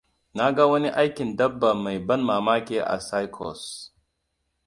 Na ga wani aikin dabba mai ban mamaki a circus.